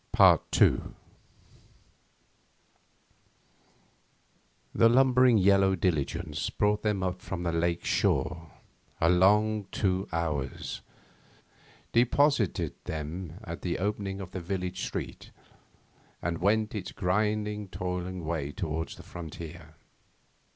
II The lumbering yellow diligence brought them up from the Lake shore, a long two hours, deposited them at the opening of the village street, and went its grinding, toiling way towards the frontier.